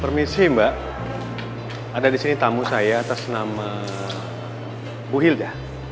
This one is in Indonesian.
permisi mbak ada di sini tamu saya atas nama bu hilda